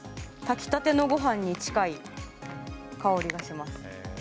炊きたてのごはんに近い香りがします。